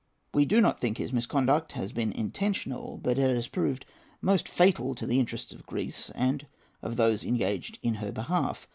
We do not think his misconduct has been intentional; but it has proved most fatal to the interests of Greece, and of those engaged in her behalf.